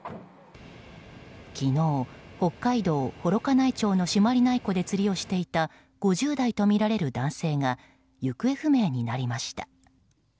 昨日、北海道幌加内町の朱鞠内湖で釣りをしていた５０代とみられる男性が行方不明になりました。